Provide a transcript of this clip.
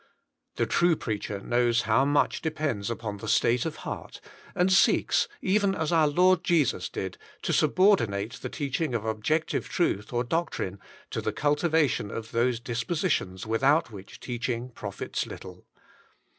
The true preacher knows how much. depends upon the state of heart, and seeks, even as our Lord Jesus did, to subordinate the teaching of objec tive truth or doctrine to the cultivation of those dispositions without which teaching profits little.